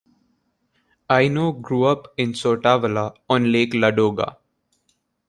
Eino grew up in Sortavala on Lake Ladoga.